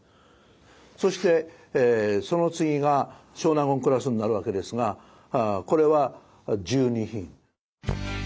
そしてその次が少納言クラスになるわけですがこれは１２品。